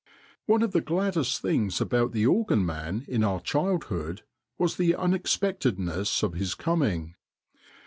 One of the gladdest things about the organ man in our childhood was the unexpectedness of his coming.